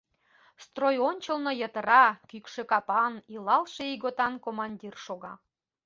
Строй ончылно йытыра, кӱкшӧ капан, илалше ийготан командир шога.